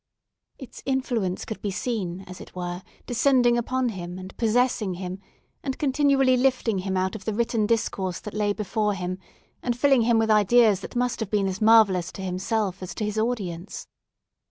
Its influence could be seen, as it were, descending upon him, and possessing him, and continually lifting him out of the written discourse that lay before him, and filling him with ideas that must have been as marvellous to himself as to his audience.